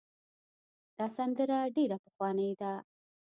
دا سندره ډېره پخوانۍ ده.